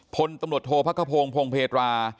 พลตำรวจโทษภพกระโพงพลงเพดรา